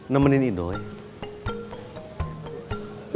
nemenin ido ya